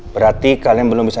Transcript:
berarti kalian belum bisa